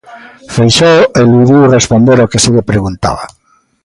Feixóo eludiu responder ao que se lle preguntaba.